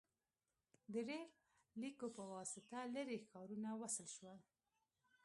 • د ریل لیکو په واسطه لرې ښارونه وصل شول.